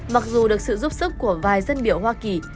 mặc dù được sự giúp sức của vài dân biểu hoa kỳ